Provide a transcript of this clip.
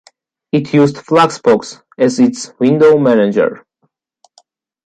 It used Fluxbox as its window manager.